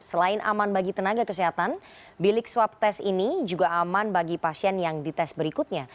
selain aman bagi tenaga kesehatan bilik swab test ini juga aman bagi pasien yang dites berikutnya